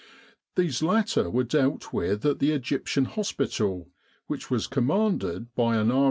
These latter were dealt with at the Egyptian Hospital which was commanded by an R.